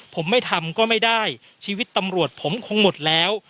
ผมไม่ทำก็ไม่ได้ชีวิตตำรวจผมคงหมดแล้ว